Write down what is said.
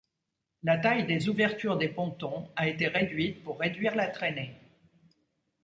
La taille des ouvertures des pontons a été réduite pour réduire la traînée.